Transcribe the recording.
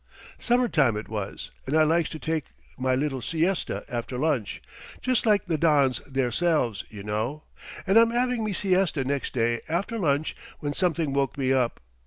"Summer time it was, and I likes to take my little siesta after lunch just like the Dons theirselves, y' know and I'm 'aving me siesta next day after lunch when something woke me up.